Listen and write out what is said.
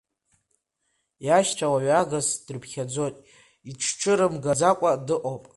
Иашьцәа уаҩагас дрыԥхьаӡоит, иҽцәырымгаӡакәа дыҟоуп.